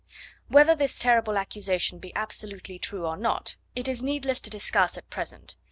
Whether this terrible accusation be absolutely true, or not, it is needless to discuss at present.